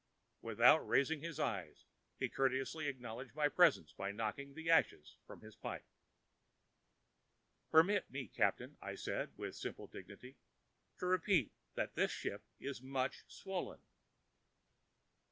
Without raising his eyes he courteously acknowledged my presence by knocking the ashes from his pipe. "Permit me, Captain," I said, with simple dignity, "to repeat that this ship is much swollen."